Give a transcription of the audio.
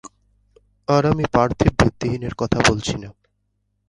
আর আমি পার্থিব ভিত্তিহীনের কথা বলছি না।